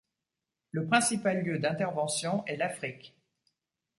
Le principal lieu d'intervention est l'Afrique.